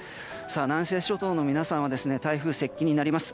南西諸島の皆さんは台風接近になります。